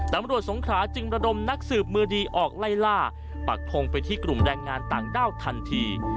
สงขราจึงระดมนักสืบมือดีออกไล่ล่าปักทงไปที่กลุ่มแรงงานต่างด้าวทันที